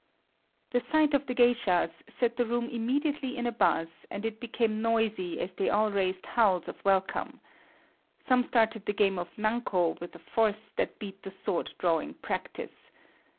The sight of the geishas set the room immediately in a buzz and it became noisy as they all raised howls of welcome. Some started the game of "nanko" with a force that beat the sword drawing practice.